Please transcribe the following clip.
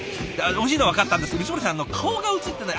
おいしいのはわかったんですけど光森さん顔が映ってない。